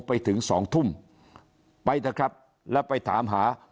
ไปถึง๒ทุ่มไปนะครับแล้วไปถามหา